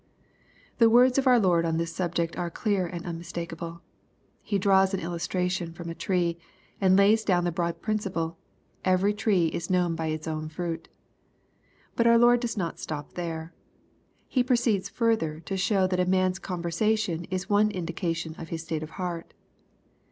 The words of our Lord on this subject are clear and unmistakeable. He draws an illustration from a tree, and lays down the broad principle, " every tree is known by his own fruit/' But our Lord does not stop here. He proceeds further to show that a man's conversation is one indication of his state of heart.